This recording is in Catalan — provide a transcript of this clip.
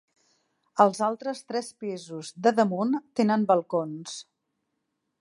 Els altres tres pisos de damunt tenen balcons.